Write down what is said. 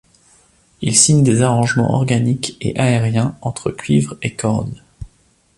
Il signe des arrangements organiques et aériens, entre cuivres et cordes.